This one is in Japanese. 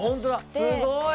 すごい！